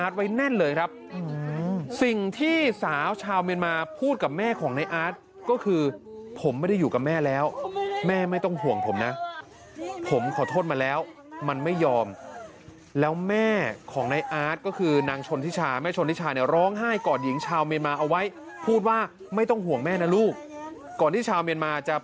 อาทใช่ไหมนั่นอาทใช่ไหมอืม